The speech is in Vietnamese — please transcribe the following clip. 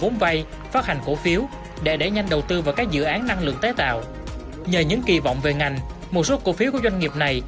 một vài cổ phiếu này đã được tạo ra từ các doanh nghiệp này